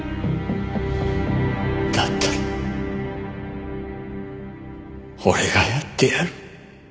だったら俺がやってやる。